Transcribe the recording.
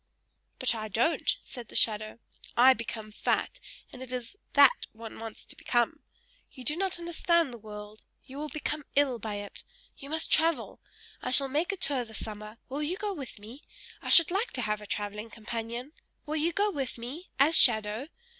"But I don't!" said the shadow. "I become fat, and it is that one wants to become! You do not understand the world. You will become ill by it. You must travel! I shall make a tour this summer; will you go with me? I should like to have a travelling companion! Will you go with me, as shadow?